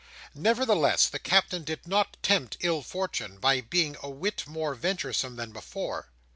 Nevertheless, the Captain did not tempt ill fortune, by being a whit more venturesome than before.